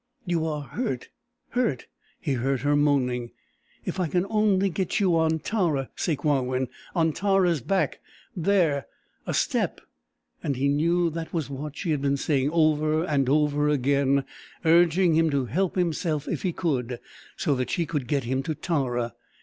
"You are hurt hurt " he heard her moaning. "If I can only get you on Tara, Sakewawin, on Tara's back there a step...." and he knew that was what she had been saying over and over again, urging him to help himself if he could, so that she could get him to Tara.